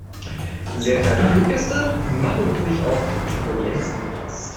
Sehr verehrte Fluggäste, machen Sie sich auf Turbulenzen gefasst.